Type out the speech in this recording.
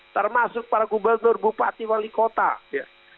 termasuk para gubernur bupati wali kota ya